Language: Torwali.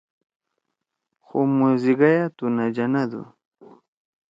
خو موزیگئیأ تُو نہ جنَدُو!